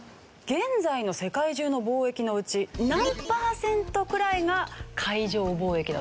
現在の世界中の貿易のうち何パーセントくらいが海上貿易だと思いますか？